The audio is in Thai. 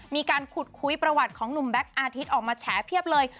มีการขุดคุยประวัติของหนุ่มแก๊กอาทิตย์ออกมาแฉเพียบเลย